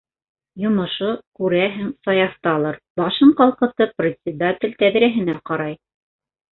Йомошо, күрәһең, Саяфталыр - башын ҡалҡытып председатель тәҙрәһенә ҡарай.